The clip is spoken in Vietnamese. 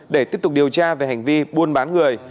để tiếp tục điều tra về hành vi buôn bán người